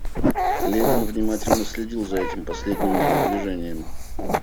Левин внимательно следил за этим последним ее движением.